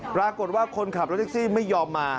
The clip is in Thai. ปรากฏว่าคนขับรถแท็กซี่ไม่ยอมมา